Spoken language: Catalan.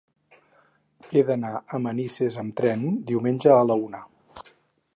He d'anar a Manises amb tren diumenge a la una.